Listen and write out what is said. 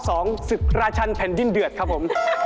ศึกราชันแผ่นดินเดือดครับผม